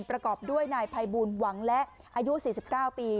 ประกอบด้วยนายภัยบูลหวังและอายุ๔๙ปี